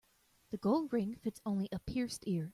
The gold ring fits only a pierced ear.